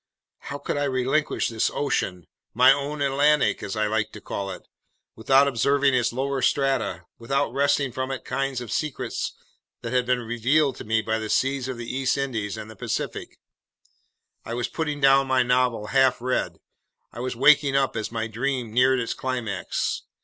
How could I relinquish this ocean—"my own Atlantic," as I liked to call it—without observing its lower strata, without wresting from it the kinds of secrets that had been revealed to me by the seas of the East Indies and the Pacific! I was putting down my novel half read, I was waking up as my dream neared its climax!